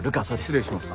失礼します。